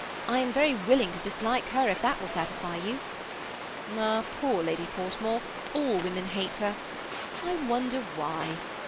I am very willing to dislike her if that will satisfy you." " Ah 1 poor Lady Portmore, all women hate her. I wonder why